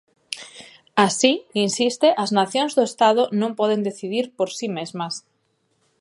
Así, insiste, as nacións do Estado non poden decidir por si mesmas.